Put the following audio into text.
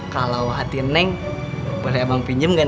kalau hati neng boleh abang pinjem neng